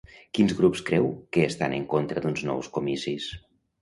Quins grups creu que estan en contra d'uns nous comicis?